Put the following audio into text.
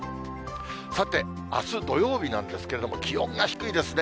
さて、あす土曜日なんですけれども、気温が低いですね。